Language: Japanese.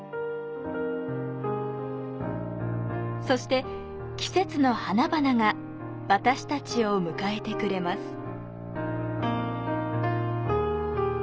そして季節の花々が私たちを迎えてくれます。